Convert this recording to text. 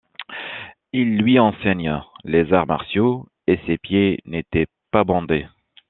Il lui enseigne les arts martiaux et ses pieds n'étaient pas bandés.